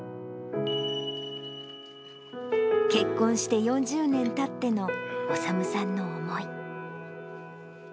結婚して４０年たっての修さんの思い。